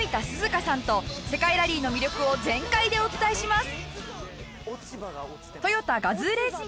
花さんと世界ラリーの魅力を全開でお伝えします。